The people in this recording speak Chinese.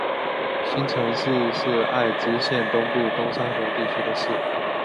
新城市是爱知县东部东三河地区的市。